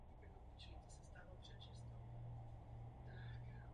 Existence této funkce souvisela s nutností udržovat město v neustálé bojové pohotovosti.